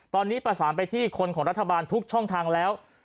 ตอนนี้ประสานไปที่คนของรัฐบาลทุกช่องทางแล้ว